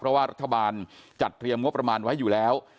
เพราะว่ารัฐบาลจัดเตรียมงบประมาณไว้อยู่แล้ว